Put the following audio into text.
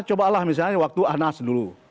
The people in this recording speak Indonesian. coba lah misalnya waktu anas dulu